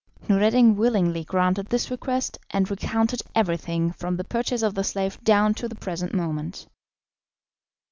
Noureddin willingly granted this request, and recounted everything from the purchase of the slave down to the present moment.